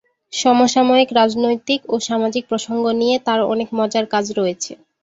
সমসাময়িক রাজনৈতিক ও সামাজিক প্রসঙ্গ নিয়ে তার অনেক মজার কাজ রয়েছে।